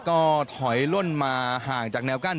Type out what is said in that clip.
ก็ถอยล่นมาห่างจากแนวกั้น